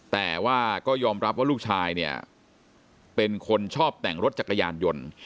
แต่ว่าก็ยอมรับว่าลูกชายเนี่ยเป็นคนชอบแต่งรถจักรยานยนต์